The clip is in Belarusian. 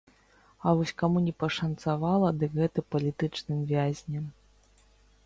А вось каму не пашанцавала, дык гэта палітычным вязням.